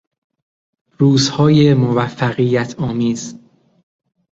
روزهای موفقیت آمیز